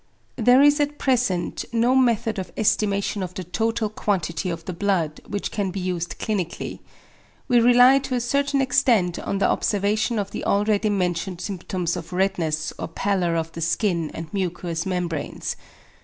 There is at present no method of ESTIMATION OF THE TOTAL QUANTITY OF THE BLOOD which can be used clinically. We rely to a certain extent on the observation of the already mentioned symptoms of redness or pallor of the skin and mucous membranes.